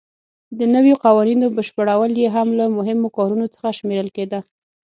د نویو قوانینو بشپړول یې هم له مهمو کارونو څخه شمېرل کېده.